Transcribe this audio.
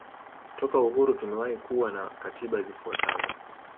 Toka uhuru tumewahi kuwa na katiba zifuatazo